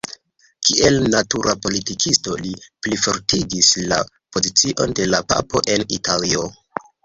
Kiel natura politikisto, li plifortigis la pozicion de la papo en Italio.